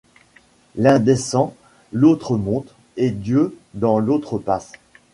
L’un descend, l’autre monte ; et Dieu dans l’ombre passe ;